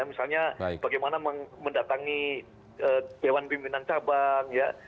misalnya bagaimana mendatangi dewan pimpinan cabang ya